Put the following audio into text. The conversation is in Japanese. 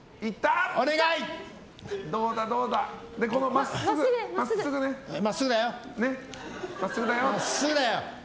真っすぐだよ！